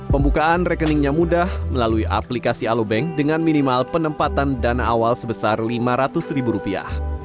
pembukaan rekeningnya mudah melalui aplikasi alobank dengan minimal penempatan dana awal sebesar lima ratus ribu rupiah